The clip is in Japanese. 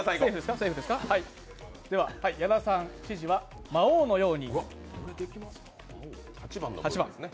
矢田さん、指示は「魔王のように」。